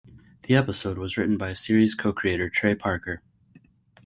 The episode was written by series co-creator Trey Parker.